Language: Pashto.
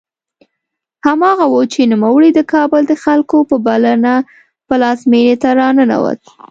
هماغه و چې نوموړی د کابل د خلکو په بلنه پلازمېنې ته راننوت.